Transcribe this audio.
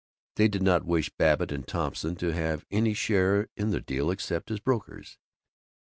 They did not wish Babbitt and Thompson to have any share in the deal except as brokers.